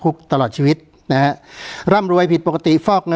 การแสดงความคิดเห็น